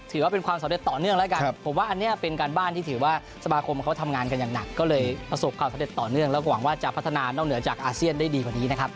ถือว่าเป็นความสำเร็จต่อเนื่องแล้ว